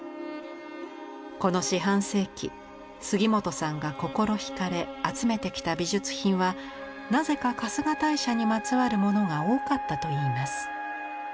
この四半世紀杉本さんが心惹かれ集めてきた美術品はなぜか春日大社にまつわるものが多かったといいます。